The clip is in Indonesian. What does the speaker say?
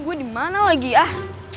gue dimana lagi ah